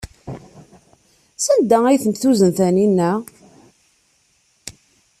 Sanda ay tent-tuzen Taninna?